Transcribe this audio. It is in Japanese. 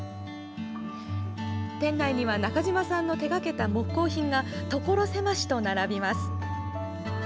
店内には中島さんの手がけた木工品がところ狭しと並びます。